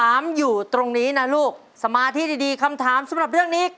อันนั้นโอเคครับ